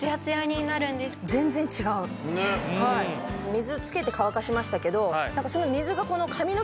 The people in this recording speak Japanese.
水つけて乾かしましたけどなんかその。